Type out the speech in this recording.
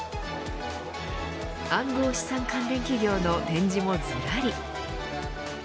暗号資産関連企業の展示もずらり。